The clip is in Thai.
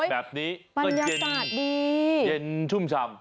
แบบนี้ก็เย็นชุ่มช่ำ